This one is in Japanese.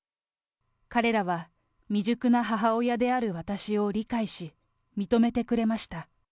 彼らは未熟な母親である私を理解し、認めてくれました。